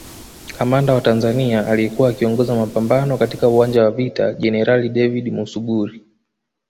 Kamanda wa Tanzania aliyekuwa akiongoza mapambano katika uwanja wa vita Jenerali David Musuguri